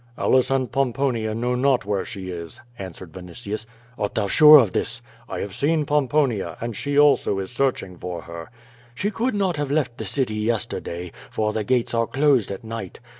'' "Aulas and Pomponia know not where she is," answered Vinitius. "Art thou sure of that?" 'I have seen Pomponia, and she also is searching for her." ^She could not have left the city yesterday, for the gates are closed at night.